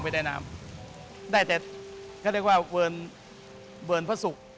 ได้เต็ดเขาเรียกว่าเบิร์นพระศุกร์